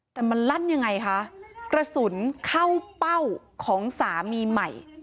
แต่มันลั่นยังไงคะกระสุนเข้าเป้าของสามีใหม่